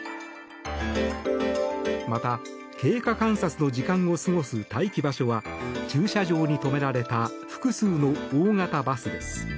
また、経過観察の時間を過ごす待機場所は駐車場に止められた複数の大型バスです。